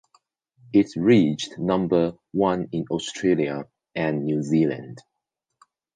It reached number one in Australia and New Zealand.